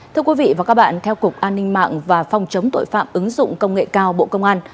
thưa quý vị và các bạn theo cục an ninh mạng và phòng chống tội phạm ứng dụng công nghệ cao bộ công an